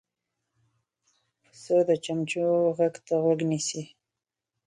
پسه د چمچمو غږ ته غوږ نیسي.